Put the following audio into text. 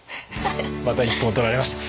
また一本取られました。